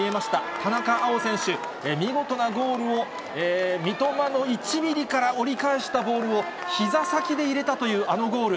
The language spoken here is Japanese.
田中碧選手、見事なゴールを三笘の１ミリから折り返したボールをひざ先で入れたという、あのゴール。